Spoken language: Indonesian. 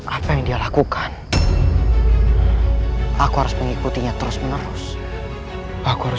apa yang dia lakukan aku harus mengikutinya terus menerus aku harus